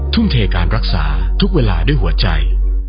ทุ่มเทการรักษาทุกเวลาด้วยหัวใจ